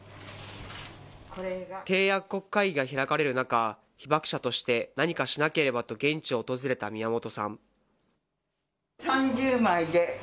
締約国会議が開かれる中、被爆者として何かしなければと現地を訪れた宮本さん。